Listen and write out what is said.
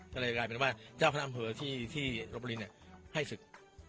ก็เลยกลายเป็นว่าเจ้าคณะอำเภอที่รบบุรีให้ศึก